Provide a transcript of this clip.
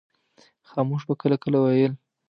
خاموش به کله کله ویل.